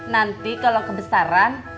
nanti kalo kebesaran